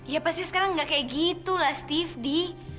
ya pasti sekarang nggak kayak gitu lah steve di